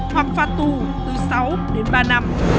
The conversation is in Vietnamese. hoặc phạt tù từ sáu đến ba năm